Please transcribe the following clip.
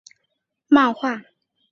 是水城雪可奈所着的日本漫画。